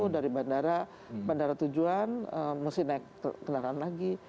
dari bandara bandara tujuan mesti naik kendaraan lagi